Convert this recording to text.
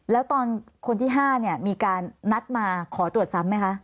แล้วตอนคนที่๕เนี่ยมีการนัดมาขอตรวจซ้ำไหมคะ